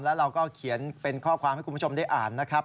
แล้วเราก็เขียนเป็นข้อความให้คุณผู้ชมได้อ่านนะครับ